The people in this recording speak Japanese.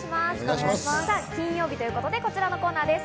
金曜日ということで、こちらのコーナーです。